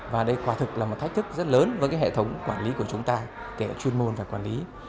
và đây quả thực là một thách thức rất lớn với cái hệ thống quản lý của chúng ta kể chuyên môn và quản lý